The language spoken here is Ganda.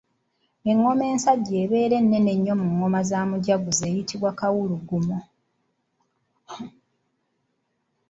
Engoma ensajja ebeera ennene ennyo mu ngoma za mujaguzo eyitibwa Kawulugumo.